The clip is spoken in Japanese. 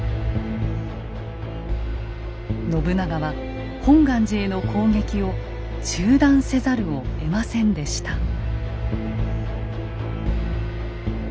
信長は本願寺への攻撃を中断せざるをえませんでした。